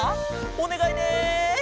おねがいね！